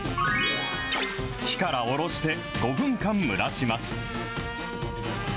火からおろして５分間蒸らします。